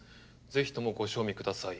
「ぜひともご賞味ください。